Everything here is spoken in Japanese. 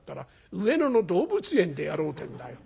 『上野の動物園でやろう』ってんだよ。